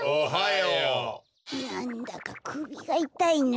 なんだかくびがいたいな。